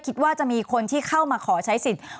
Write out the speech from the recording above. คิดว่าจะมีคนที่เข้ามาขอใช้สิทธิ์